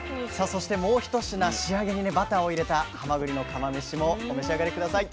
そしてもう一品仕上げにバターを入れたはまぐりの釜めしもお召し上がり下さい。